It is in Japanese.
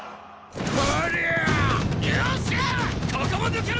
ここも抜けるぞ！